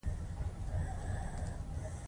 ویې ویل: جبهې ته د ستنېدو لپاره مو ډېره بېړه ده.